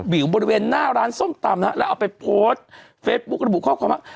วิวบริเวณหน้าร้านส้มตำนะฮะแล้วเอาไปโพสต์เฟซบุ๊กระบุข้อความว่า